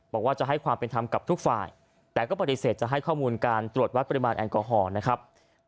บอกว่าจะให้ความเป็นธรรมกับทุกฝ่ายแต่ก็ปฏิเสธจะให้ข้อมูลการตรวจวัดปริมาณแอลกอฮอล์นะครับ